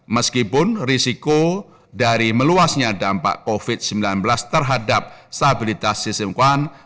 meskipun risiko dari meluasnya dampak covid sembilan belas terhadap stabilitas sistem keuangan